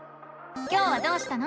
今日はどうしたの？